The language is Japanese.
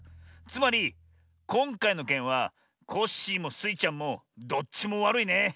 つまりこんかいのけんはコッシーもスイちゃんもどっちもわるいね。